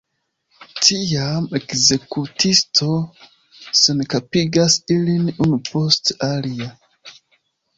Tiam ekzekutisto senkapigas ilin unu post alia.